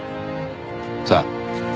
さあ。